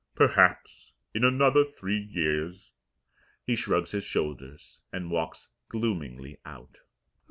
Perhaps in another three years " He shrugs his shoulders and walks gloomingly out.